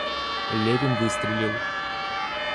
Левин выстрелил.